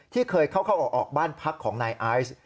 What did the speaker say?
ที่เคยเข้าออกบ้านพักของนายไอซ์